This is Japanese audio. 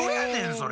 それ。